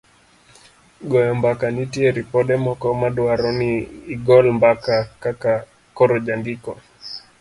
goyo mbaka nitie ripode moko ma dwaro ni igol mbaka kaka koro jandiko